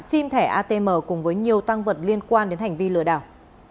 sim thẻ atm cùng với nhiều tăng vật liên quan đến hành vi lừa đảo